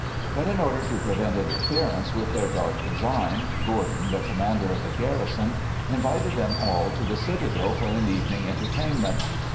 But in order to prevent interference with their dark design, Gordon, the commander of the garrison, invited them all to the citadel for an evening entertainment.